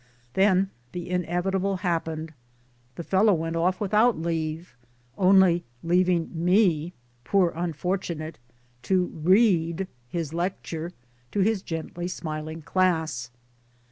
Then the inevitable hap pened. The fellow went off without leave, only leaving me, poor unfortunate ! to read his lecture to his gently smiling class.